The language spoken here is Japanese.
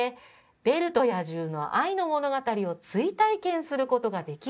「ベルと野獣の愛の物語を追体験することができる」